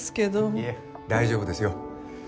いえ大丈夫ですよ。